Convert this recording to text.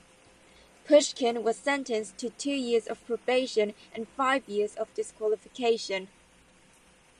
Pushkin was sentenced to two years of probation and five years of disqualification.